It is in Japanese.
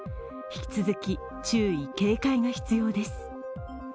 引き続き注意・警戒が必要です。